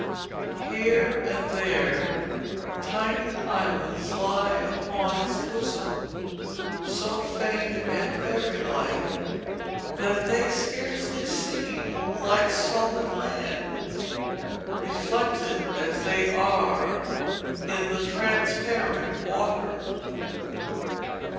Here and there tiny islands lie upon its bosom, so faint and fairylike that they scarcely seem like solid land, reflected as they are in the transparent water.